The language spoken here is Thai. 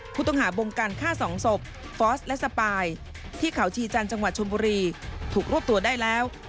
ผู้ต้องหาบงการฆ่าสองศพฟอสและสปายที่เขาชีจันทร์จังหวัดชนบุรีถูกรวบตัวได้แล้ว